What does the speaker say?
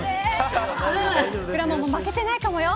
くらもんも負けてないかもよ。